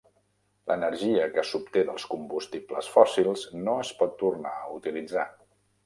L'energia que s'obté dels combustibles fòssils no es pot tornar a utilitzar.